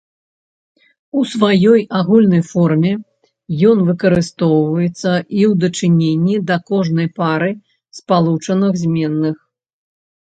У сваёй агульнай форме ён выкарыстоўваецца і ў дачыненні да кожнай пары спалучаных зменных.